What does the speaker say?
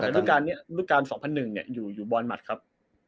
แต่รุกการ๒๐๐๑อยู่บอร์นมัดครับ